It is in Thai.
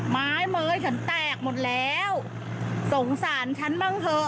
ไม้เม้ยฉันแตกหมดแล้วสงสารฉันบ้างเถอะ